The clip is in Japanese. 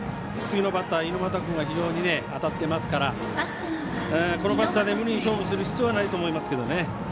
次のバッター、猪俣君が非常に当たっていますからこのバッターで無理に勝負する必要はないと思います。